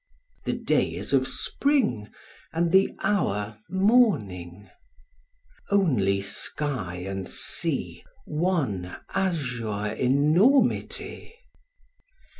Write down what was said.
The day is of spring, and the hour morning. Only sky and sea,—one azure enormity...